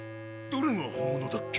どれが本物だっけ？